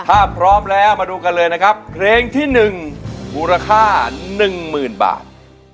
ถ้าพร้อมแล้วมาดูกันเลยนะครับเพลงที่๑มูลค่า๑๐๐๐บาท